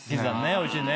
おいしいね。